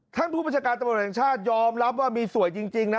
ท่านผู้บัญชาการตำรวจแห่งชาติยอมรับว่ามีสวยจริงนะ